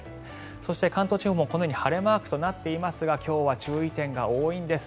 そして、関東地方もこのように晴れマークとなっていますが今日は注意点が多いんです。